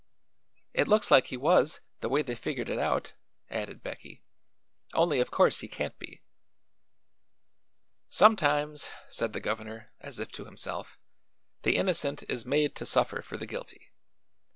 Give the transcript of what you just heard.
"It looks like he was, the way they've figured it out," added Becky; "only of course he can't be." "Sometimes," said the governor, as if to himself, "the innocent is made to suffer for the guilty.